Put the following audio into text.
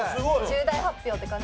重大発表って感じ。